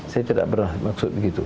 saya tidak pernah maksud begitu